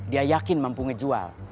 dia yakin mampu ngejual